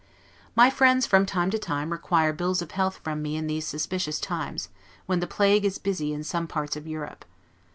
My friends from time to time require bills of health from me in these suspicious times, when the plague is busy in some parts of Europe.